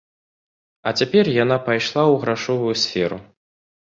А цяпер яна пайшла ў грашовую сферу.